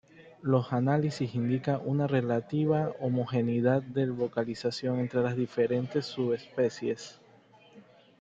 Los análisis indican una relativa homogeneidad de vocalización entre las diferentes subespecies.